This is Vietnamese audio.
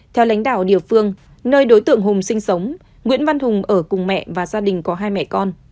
theo lãnh đạo địa phương nơi đối tượng hùng sinh sống nguyễn văn hùng ở cùng mẹ và gia đình có hai mẹ con